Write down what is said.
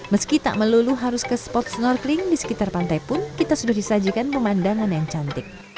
meski tak melulu harus ke spot snorkeling di sekitar pantai pun kita sudah disajikan pemandangan yang cantik